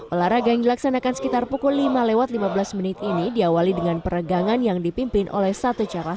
olahraga yang dilaksanakan sekitar pukul lima lewat lima belas menit ini diawali dengan peregangan yang dipimpin oleh satu cara